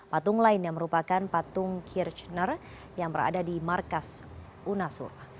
patung lain yang merupakan patung kirchner yang berada di markas unasura